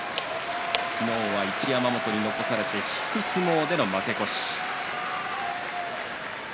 昨日は一山本に残されて引く相撲での負け越し。